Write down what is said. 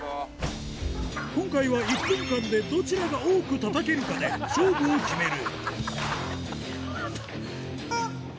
今回は１分間でどちらが多くたたけるかで勝負を決める